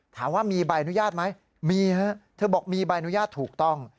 ถามว่ามีใบอนุญาตไหมมีฮะเธอบอกมีใบอนุญาตถูกต้อง